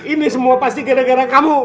ini semua pasti gara gara kamu